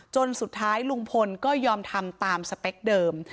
จนสุดท้ายลุงพลก็ยอมทำตามสเปคเดิม